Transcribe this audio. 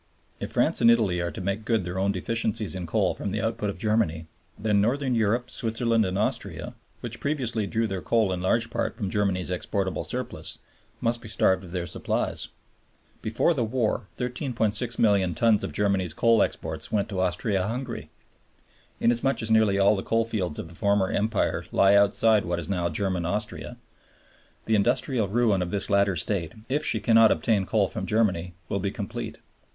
If France and Italy are to make good their own deficiencies in coal from the output of Germany, then Northern Europe, Switzerland, and Austria, which previously drew their coal in large part from Germany's exportable surplus, must be starved of their supplies. Before the war 13,600,000 tons of Germany's coal exports went to Austria Hungary. Inasmuch as nearly all the coalfields of the former Empire lie outside what is now German Austria, the industrial ruin of this latter state, if she cannot obtain coal from Germany, will be complete.